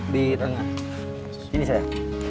di tengah ini saya